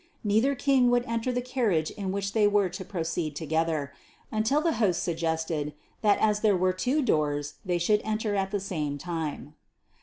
Neither king would enter the carriage in which they were to proceed together, until the host suggested that as there were two doors they should enter at the same time.